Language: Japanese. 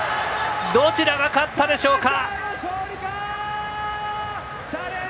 どちらが勝ったでしょうか！